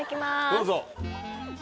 どうぞ。